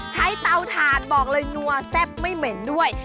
เตาถ่านบอกเลยนัวแซ่บไม่เหม็นด้วย